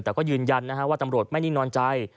แต่ก็ยืนยันว่าตำรวจไม่นิ่งนอนใจ